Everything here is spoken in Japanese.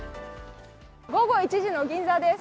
午後１時の銀座です。